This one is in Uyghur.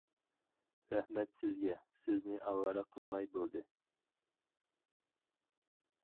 -رەھمەت سىزگە، سىزنى ئاۋارە قىلماي بولدى.